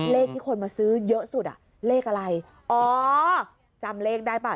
เลขที่คนมาซื้อเยอะสุดอ่ะเลขอะไรอ๋อจำเลขได้เปล่า